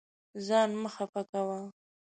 ځان مه خفه کوه.